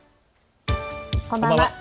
こんばんは。